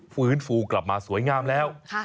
ฟื้นฟูกลับมาสวยงามแล้ว